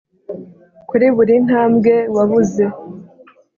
kuri buri ntambwe wabuze